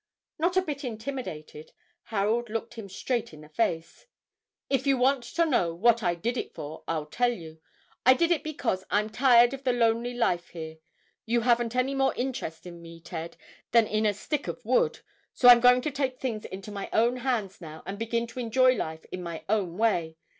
Not a bit intimidated, Harold looked him straight in the face. "If you want to know what I did it for I'll tell you I did it because I'm tired of the lonely life here. You haven't any more interest in me, Ted, than in a stick of wood; so I'm going to take things into my own hands now and begin to enjoy life in my own way.